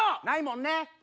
ないもんね！